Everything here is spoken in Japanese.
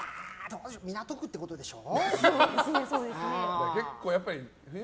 港区ってことでしょ？